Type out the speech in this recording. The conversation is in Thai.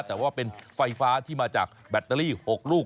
แต่ว่าเป็นไฟฟ้าที่มาจากแบตเตอรี่๖ลูก